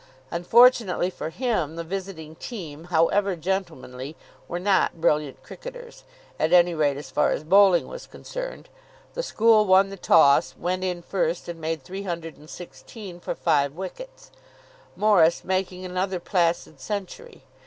Unfortunately for him, the visiting team, however gentlemanly, were not brilliant cricketers, at any rate as far as bowling was concerned. The school won the toss, went in first, and made three hundred and sixteen for five wickets, Morris making another placid century.